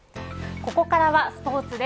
ここからスポーツです。